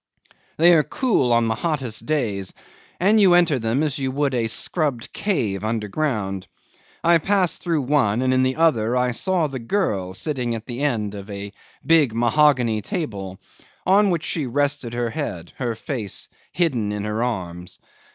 They are cool on the hottest days, and you enter them as you would a scrubbed cave underground. I passed through one, and in the other I saw the girl sitting at the end of a big mahogany table, on which she rested her head, the face hidden in her arms.